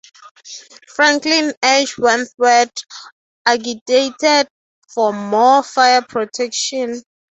Franklin H. Wentworth agitated for more fire protection.